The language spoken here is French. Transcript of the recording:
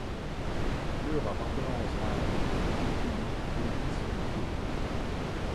Leur appartenance à un poème unique est discutée.